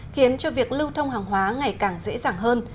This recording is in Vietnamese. khiến cho việc lưu thông hàng hóa ngày càng dễ dàng hơn